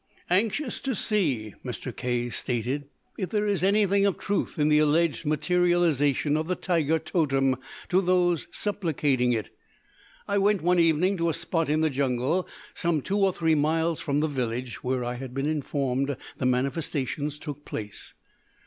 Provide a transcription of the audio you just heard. "Anxious to see," Mr. K stated, "if there was anything of truth in the alleged materialization of the tiger totem to those supplicating it, I went one evening to a spot in the jungle some two or three miles from the village where I had been informed the manifestations took place.